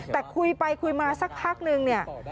แต่คุยไปคุยมาสักพักหนึ่ง